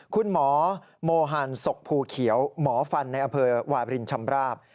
คุณหมอโมฮันศกภูเขียวหมอฟันในอำเภอวาบรินชำราบ